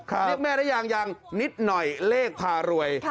เรียกแม่ได้ยังยังนิดหน่อยเลขพารวย